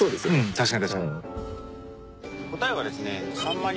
答えはですねへえ。